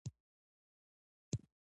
انسان شکرکښ نه دی